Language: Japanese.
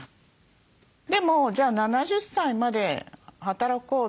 でも「じゃあ７０歳まで働こう。